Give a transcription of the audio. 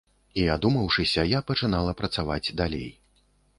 І, адумаўшыся, я пачынала працаваць далей.